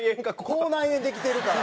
口内炎できてるから。